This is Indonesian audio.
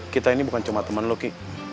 kita ini bukan cuma teman lo ki